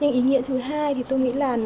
nhưng ý nghĩa thứ hai chúng ta quan tâm hơn